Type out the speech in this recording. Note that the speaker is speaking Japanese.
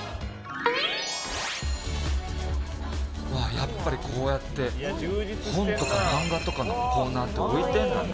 やっぱりこうやって本とか漫画とかのコーナーって置いてるんだね。